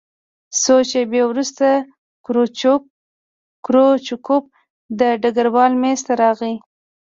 څو شېبې وروسته کروچکوف د ډګروال مېز ته راغی